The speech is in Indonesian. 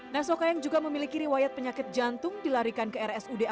nasoka yang juga memiliki riwayat penyakit jantung dilarikan ke rsud rw